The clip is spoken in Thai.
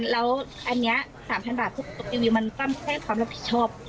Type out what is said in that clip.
แล้วอันนี้๓๐๐บาททุกรีวิวมันต้องให้ความรับผิดชอบ